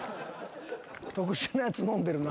特殊なやつ飲んでるな。